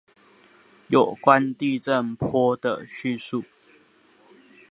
有關地震波的敘述